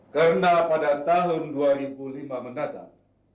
karena pada tahun dua ribu lima mendatang